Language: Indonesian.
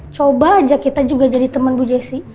coba ajak kita juga jadi temen bu jessy